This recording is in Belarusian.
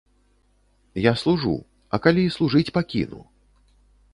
Я служу, а калі служыць пакіну?